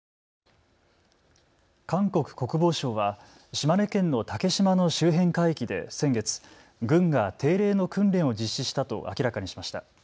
韓国国防省は島根県の竹島の周辺海域で先月、軍が定例の訓練を実施したと明らかにしました。